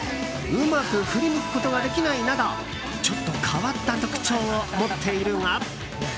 うまく振り向くことができないなどちょっと変わった特徴を持っているが。